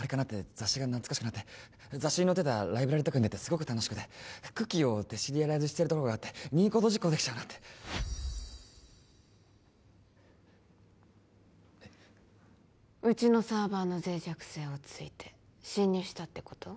雑誌が懐かしくなって雑誌に載ってたライブラリとか読んでてすごく楽しくてＣｏｏｋｉｅをデシリアライズしてるところがあって任意コード実行できちゃうなってえっうちのサーバーの脆弱性を突いて侵入したってこと？